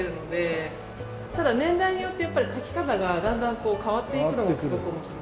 ただ年代によってやっぱり描き方がだんだん変わっていくのもすごく面白くて。